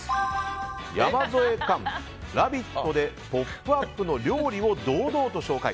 山添寛、「ラヴィット！」で「ポップＵＰ！」の料理を堂々と紹介。